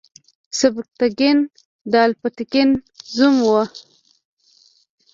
سبکتګین د الپتکین زوم و.